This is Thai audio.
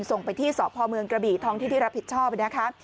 ส่งไปที่สพเมืองกระบี่ท้องที่ที่รับผิดชอบนะคะ